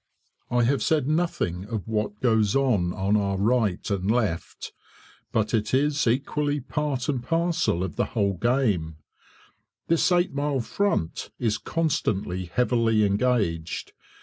I have said nothing of what goes on on our right and left; but it is equally part and parcel of the whole game; this eight mile front is constantly heavily engaged.